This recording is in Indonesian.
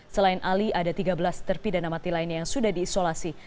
selain ali ada tiga belas terpidana mati lainnya yang sudah diisolasi